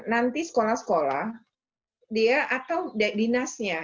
nanti sekolah sekolah atau dinasnya